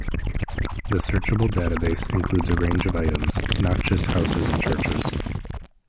The searchable database includes a range of items, not just houses and churches.